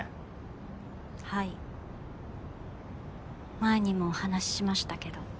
前にもお話ししましたけど。